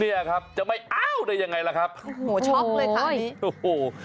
เนี่ยครับจะไม่อ้าวได้ยังไงล่ะครับโอ้โหช็อกเลยค่ะอย่างงี้โอ้โห